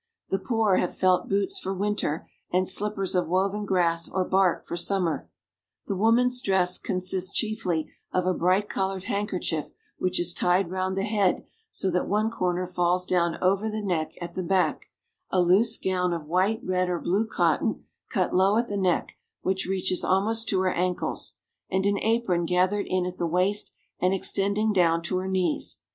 The poor have felt boots for winter, and slippers of woven grass or bark for summer. The woman's dress consists chiefly of a bright THE RUSSIAN PEASANTS. 327 <:4J3 colored handkerchief, which is tied round the head so that one corner falls down over the neck at the back, a loose gown of white, red, or blue cot ton, cut low at the neck, which reaches almost to her ankles, and an apron gathered in at the waist and extending down to her knees.